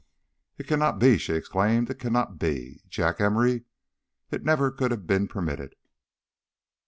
"It cannot be!" she exclaimed. "It cannot be! Jack Emory? It never could have been permitted.